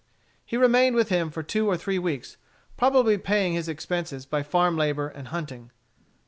He remained with him for two or three weeks, probably paying his expenses by farm labor and hunting.